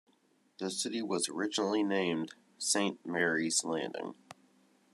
The city was originally named Saint Mary's Landing.